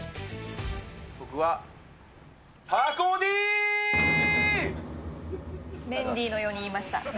僕は、メンディーのように言いました。